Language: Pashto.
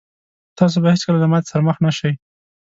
تاسو به هېڅکله له ماتې سره مخ نه شئ.